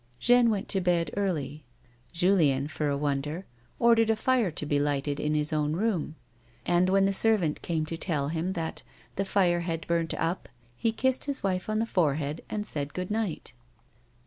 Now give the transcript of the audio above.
Jeanne went to bed early. Julien, for a wonder, ordered a fire to be lighted in his own room ; and when the servant came to tell him that " the fire had burnt up," he kissed his wife on the forehead and said good night.